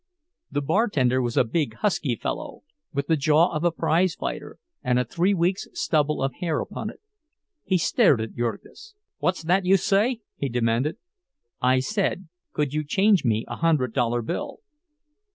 The bartender was a big, husky fellow, with the jaw of a prize fighter, and a three weeks' stubble of hair upon it. He stared at Jurgis. "What's that youse say?" he demanded. "I said, could you change me a hundred dollar bill?"